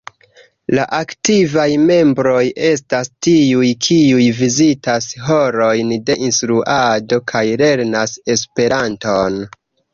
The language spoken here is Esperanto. La aktivaj membroj estas tiuj, kiuj vizitas horojn de instruado kaj lernas Esperanton.